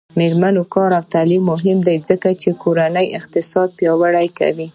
د میرمنو کار او تعلیم مهم دی ځکه چې کورنۍ اقتصاد پیاوړی کوي.